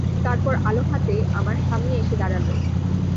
তারপর আলো হাতে আমার সামনে এসে দাঁড়াল।